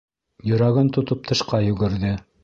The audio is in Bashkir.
Йөрәген тотоп, тышҡа йүгерҙе.